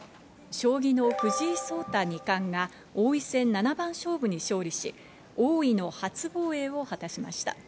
将棋の藤井聡太二冠が、王位戦七番勝負に勝利し、王位の初防衛を果たしました。